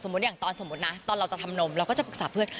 สมมติตอนเราจะทำนมจะปรึกษาเพื่อน